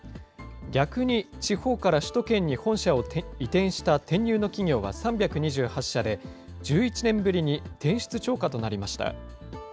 逆に、地方から首都圏に本社を移転した転入の企業は３２８社で、１１年ぶりに転出超過となりました。